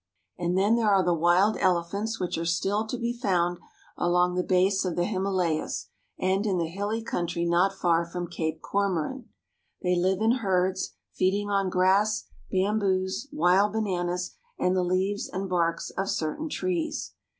And then there are the wild elephants which are still to be found along the base of the Himalayas and in the hilly country not far from Cape Comorin. They live in herds, feeding on grass, bamboos, wild bananas, and the leaves and bark of certain trees.